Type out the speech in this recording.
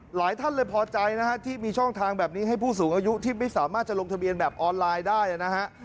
หลายท่านเลยพอใจนะฮะที่มีช่องทางแบบนี้ให้ผู้สูงอายุที่ไม่สามารถจะลงทะเบียนแบบออนไลน์ได้นะฮะ